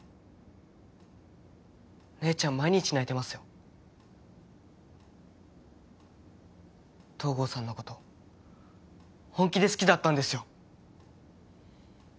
姉ちゃん毎日泣いてますよ東郷さんのこと本気で好きだったんですよ